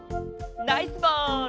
ナイスボール！